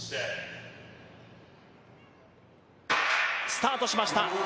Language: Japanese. スタートしました。